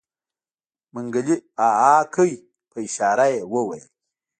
منګلي عاعاعا کړ په اشاره يې وويل.